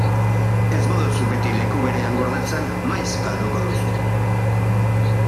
Ez baduzu beti leku berean gordetzen, maiz galduko duzu.